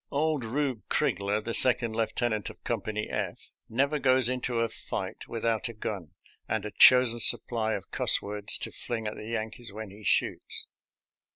»»• Old Eeub Origler, the second lieutenant of Company F, never goes into a fight without a gun and a chosen supply of cuss words to fling at the Yankees when he shoots.